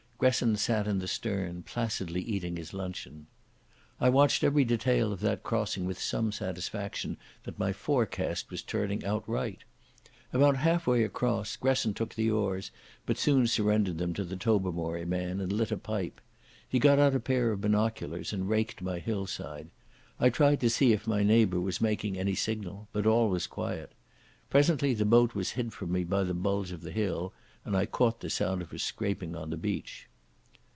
Gresson sat in the stern, placidly eating his luncheon. I watched every detail of that crossing with some satisfaction that my forecast was turning out right. About half way across, Gresson took the oars, but soon surrendered them to the Tobermory man, and lit a pipe. He got out a pair of binoculars and raked my hillside. I tried to see if my neighbour was making any signal, but all was quiet. Presently the boat was hid from me by the bulge of the hill, and I caught the sound of her scraping on the beach.